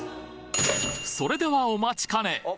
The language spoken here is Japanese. それではお待ちかね！